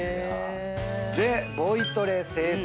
でボイトレ整体。